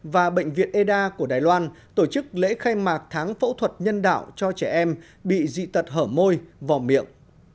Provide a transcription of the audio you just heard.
và bệnh viện eda của đài loan tổ chức lễ khai mạc tháng phẫu thuật nhân đạo cho trẻ em bị dị tật hở môi vò miệng